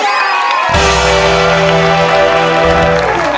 เพลงเก่งเก่งของคุณครับ